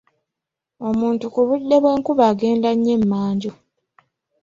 Omuntu ku budde bw'enkuba agenda nnyo emanju.